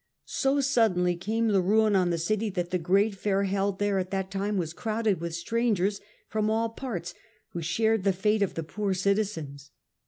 So Suddenly came the ruin on the Cremona. city that the great fair held there at that time was crowded with strangers from all parts, who shared the fate of the poor citizens.